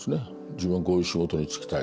自分はこういう仕事に就きたい。